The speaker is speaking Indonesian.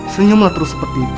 senyumlah terus seperti itu